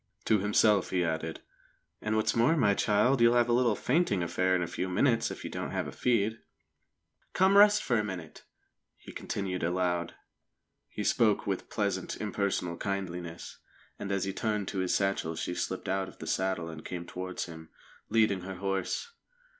To himself he added: "And what's more, my child, you'll have a little fainting affair in a few minutes, if you don't have a feed." "Come and rest for a minute," he continued aloud. He spoke with pleasant, impersonal kindliness, and as he turned to his satchel she slipped out of the saddle and came towards him, leading her horse.